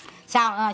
rồi sau này có